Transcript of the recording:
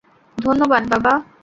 ধন্যবাদ, বাবা!